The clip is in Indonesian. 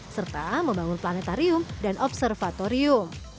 serta membangun planetarium dan observatorium